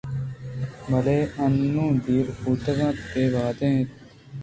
بلئے انوں دیر بوتگ ءُبےوہد اِنت